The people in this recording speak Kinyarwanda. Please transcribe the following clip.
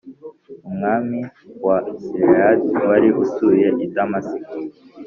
umwami wa Siriyadi wari utuye i Damasiko